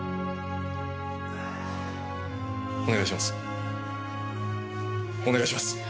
お願いします。